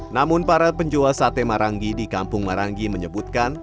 namun para penjual sate marangi di kampung maranggi menyebutkan